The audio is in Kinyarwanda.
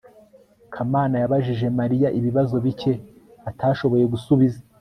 kamana yabajije mariya ibibazo bike atashoboye gusubiza